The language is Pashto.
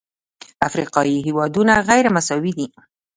افریقایي هېوادونه غیرمساوي دي.